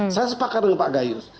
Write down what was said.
saya sepakat dengan pak gayus